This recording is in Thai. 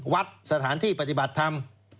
วัดสถานที่ปฏิบัติธรรม